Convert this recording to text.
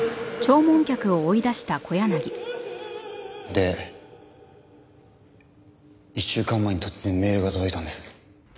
で１週間前に突然メールが届いたんです。